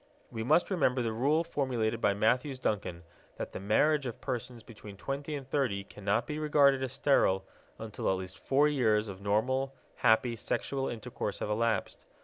We must remember the rule formulated by Matthews Duncan, that the marriage of persons between twenty and thirty cannot be regarded as sterile until at least four years of normal, happy sexual intercourse have elapsed.